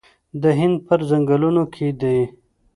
د هند په ځنګلونو کې دي